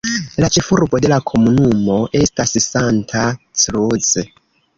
La ĉefurbo de la komunumo estas Santa Cruz.